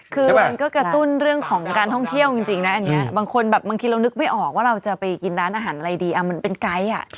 คือมันก็กระตุ้นเรื่องของการท่องเที่ยวจริงนะอันนี้บางคนแบบบางทีเรานึกไม่ออกว่าเราจะไปกินร้านอาหารอะไรดีมันเป็นไกด์